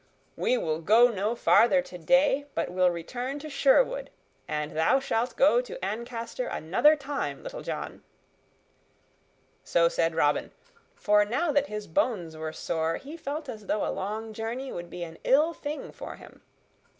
"We will go no farther today, but will return to Sherwood, and thou shalt go to Ancaster another time, Little John." So said Robin, for now that his bones were sore, he felt as though a long journey would be an ill thing for him.